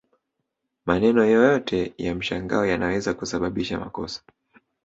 Maneno yoyote ya mshangao yanaweza kusababisha makosa